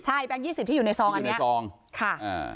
ใช่แบงค์ยี่สิบที่อยู่ในซองอันนี้ซองค่ะอ่า